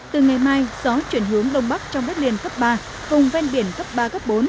từ ngày mai gió chuyển hướng đông bắc trong đất liền cấp ba vùng ven biển cấp ba cấp bốn